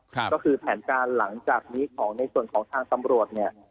ก็คือแผนการหลังจากนี้ของในส่วนของทางตำรวจเนี่ย